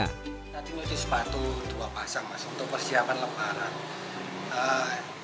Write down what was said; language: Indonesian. nanti nyuci sepatu dua pasang mas untuk persiapan lebaran